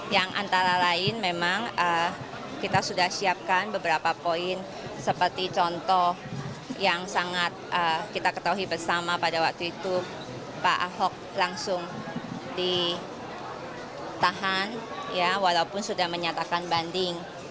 yang antara lain memang kita sudah siapkan beberapa poin seperti contoh yang sangat kita ketahui bersama pada waktu itu pak ahok langsung ditahan walaupun sudah menyatakan banding